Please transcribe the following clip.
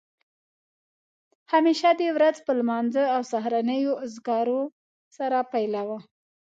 همېشه دې ورځ په لمانځه او سهارنیو اذکارو سره پیلوه